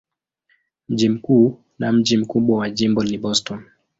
Mji mkuu na mji mkubwa wa jimbo ni Boston.